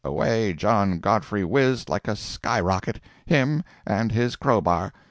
away John Godfrey whizzed like a sky rocket, him and his crow bar!